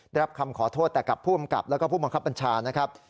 ได้รับคำขอโทษแต่กับผู้อำกับแล้วก็ผู้บังคับบัญชานะครับ